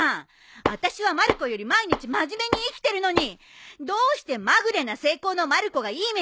あたしはまる子より毎日真面目に生きてるのにどうしてまぐれな成功のまる子がいい目にあうのよ。